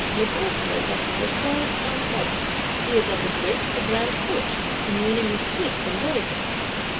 Lecointre is at the Versailles Townhall: he is at the Grate of the Grand Court; communing with Swiss and Bodyguards.